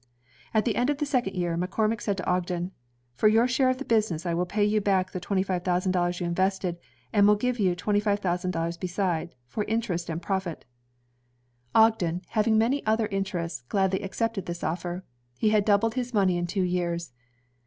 At the end of the second year, McCormick said to Ogden, "For your share of the business, I will pay you back the twenty five thousand dollars you invested, and will give you twenty five thousand besides for interest and profit." 154 INVENTIONS OF MANUFACTURE AND PRODUCTION Ogden, having many other interests, gladly accepted this offer; he bad doubled his money in two years.